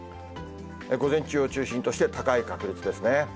午前中を中心として高い確率ですね。